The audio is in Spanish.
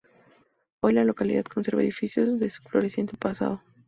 Hoy, la localidad conserva edificios de su floreciente pasado.